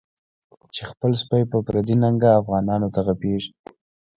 چی خپل سپی په پردی ننګه، افغانانو ته غپیږی